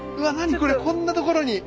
これこんなところに。